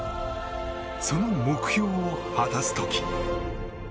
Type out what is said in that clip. その目標を果たす時。